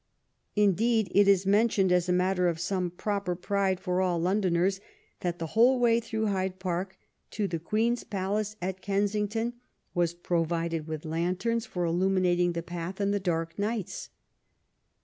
Indeed, it is mentioned as a matter of some proper pride for all Londoners, that the whole way through Hyde Park to the Queen's palace at Kensington was provided with lanterns for illuminating the path in the dark nights.